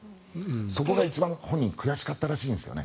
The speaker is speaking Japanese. そこが一番本人悔しかったらしいんですよね。